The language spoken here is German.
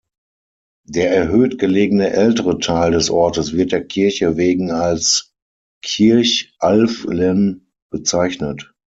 Der erhöht gelegene ältere Teil des Ortes wird der Kirche wegen als „Kirch-Alflen“ bezeichnet.